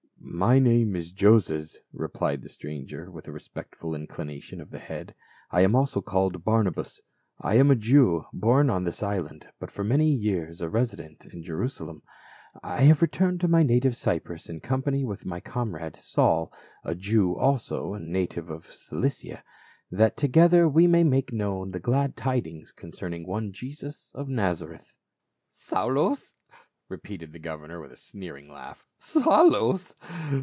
" My name is Joses," replied the .stranger, with a respectful inclination of the head. " I am also called Barnabas. I am a Jew, born on this island, but for many years resident in Jerusalem. I have returned to my native Cyprus in company with my comrade Saul, a Jew also and native of Cilicia, that together we may make known the glad tidings concerning one Jesus of Nazareth." SENT FORTH. 279 "Saulos!" repeated the governor with a sneering laugh, "Saulos